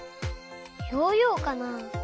ヨーヨーかな？